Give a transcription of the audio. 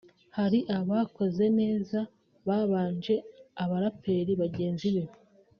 Hari abakoze neza babanje[abaraperi bagenzi be]